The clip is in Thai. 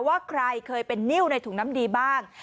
ว่าใครเคยเป็นนิ้วในถุงน้ำดีบ้าง